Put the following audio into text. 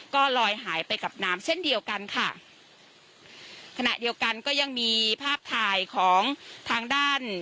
ก็ลอยหายไปกับน้ำเช่นเดียวกันค่ะขณะเดียวกันก็ยังมีภาพถ่ายของทางด้าน